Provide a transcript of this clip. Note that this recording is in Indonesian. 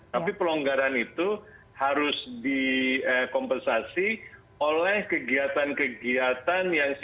tapi pelonggaran itu harus dikompensasi oleh kegiatan kegiatan